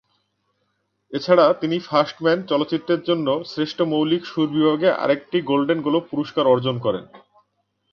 এছাড়া তিনি "First Man" চলচ্চিত্রের জন্য শ্রেষ্ঠ মৌলিক সুর বিভাগে আরেকটি গোল্ডেন গ্লোব পুরস্কার অর্জন করেন।